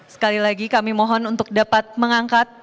sekali lagi kami mohon untuk dapat mengangkat